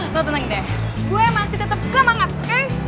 lo teneng deh gue masih tetep suka mangas oke